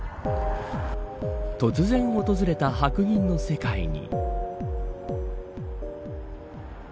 突然訪れた白銀の世界に。